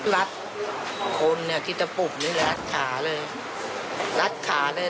รัดคนที่จะปุ่มรัดขาเลยรัดขาเลย